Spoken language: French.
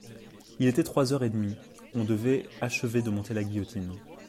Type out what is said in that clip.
Il était trois heures et demie, on devait achever de monter la guillotine.